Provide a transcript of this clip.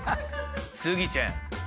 スギちゃん！